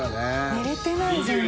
寝れてない全然。